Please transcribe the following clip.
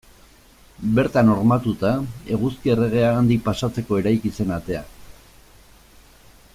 Bertan hormatuta, Eguzki Erregea handik pasatzeko eraiki zen atea.